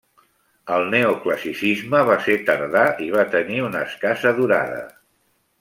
El Neoclassicisme va ser tardà i va tenir una escassa durada.